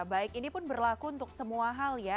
baik ini pun berlaku untuk semua hal ya